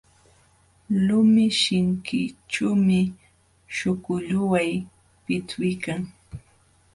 Lumi sinkićhuumi śhukulluway pitwiykan.